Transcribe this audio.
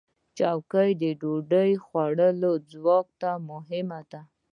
چوکۍ د ډوډۍ خوراک ته مهمه ده.